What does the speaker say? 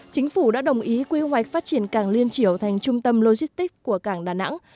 chính phủ đã đồng ý quy hoạch phát triển cảng liên triều thành trung tâm logistics của cảng đà nẵng